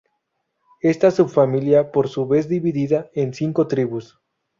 Esta subfamilia por su vez dividida en cinco tribus.